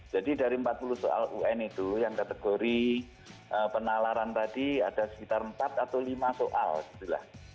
jadi dari empat puluh soal un itu yang kategori penalaran tadi ada sekitar empat atau lima soal